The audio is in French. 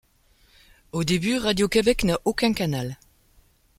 Au début, Radio-Québec n'a aucun canal.